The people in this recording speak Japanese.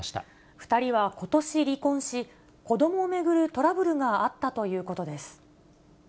２人はことし離婚し、子どもを巡るトラブルがあったということです。